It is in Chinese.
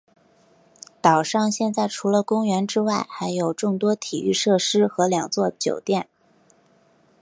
岛上现在除了公园之外还有众多体育设施和两座酒店。